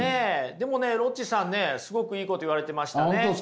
でもねロッチさんねすごくいいこと言われてましたね。